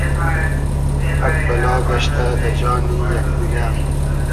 پئگ بئلا گئشتۂ دۂ جانی یئگ دیگۂ